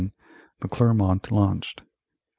The Clermont launched 1811.